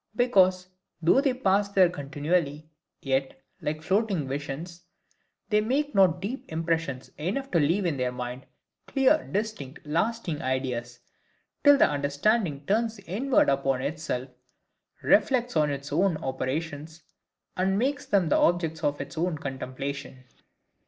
Because, though they pass there continually, yet, like floating visions, they make not deep impressions enough to leave in their mind clear, distinct, lasting ideas, till the understanding turns inward upon itself, reflects on its own operations, and makes them the objects of its own contemplation.